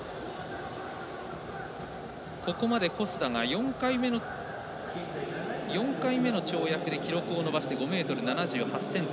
ここまで小須田が４回目の跳躍で記録を伸ばして５ｍ７８ｃｍ。